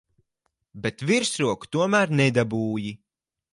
Bet virsroku tomēr nedabūji.